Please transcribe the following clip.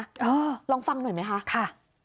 ลองฟังหน่อยไหมคะค่ะ